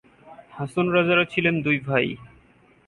হাছন রাজারা ছিলেন দুই ভাই।